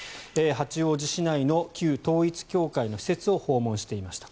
八王子市内の旧統一教会の施設を訪問していました。